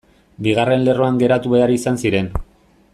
Bigarren lerroan geratu behar izan ziren.